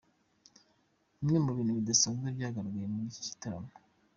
Bimwe mu bintu bidasanzwe byagaragaye muri iki gitaramo:.